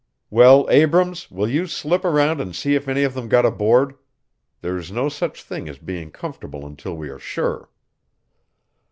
"Well, Abrams, will you slip around and see if any of them got aboard? There's no such thing as being comfortable until we are sure."